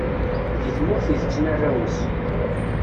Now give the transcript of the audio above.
Deg tmurt i tetten arraw-is.